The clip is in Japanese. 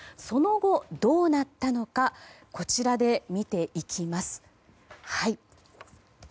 その後、どうなったのかこちらで見ていきます。